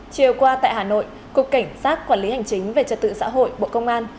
chiều qua tại hà nội cục cảnh sát quản lý hành chính về trật tự xã hội bộ công an